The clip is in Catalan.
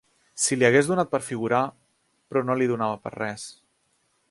Si li hagués donat per figurar... però no li donava per res